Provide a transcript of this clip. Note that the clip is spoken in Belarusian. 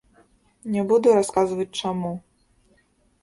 Не буду расказваць, чаму.